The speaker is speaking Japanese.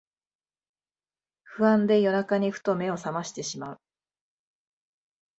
不安で夜中にふと目をさましてしまう